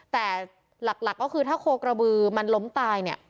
แต่หลักก็คือถ้าโคกระบือมันล้มตายเนี่ย